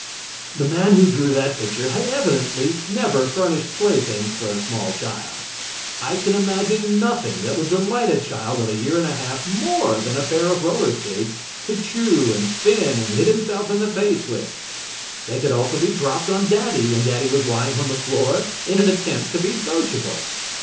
The man who drew that picture had evidently never furnished playthings for a small child. I can imagine nothing that would delight a child of a year and a half more than a pair of roller skates to chew and spin and hit himself in the face with. They could also be dropped on Daddy when Daddy was lying on the floor in an attempt to be sociable.